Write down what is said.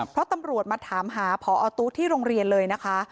เพราะตำรวจมาถามหาพอตู้ที่โรงเรียนเลยนะคะ